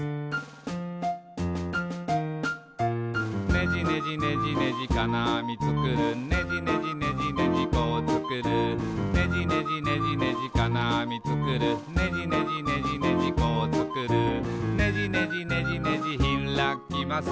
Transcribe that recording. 「ねじねじねじねじかなあみつくる」「ねじねじねじねじこうつくる」「ねじねじねじねじかなあみつくる」「ねじねじねじねじこうつくる」「ねじねじねじねじひらきます」